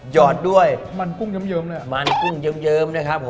ยอดด้วยมันกุ้งเยมเลยอ่ะ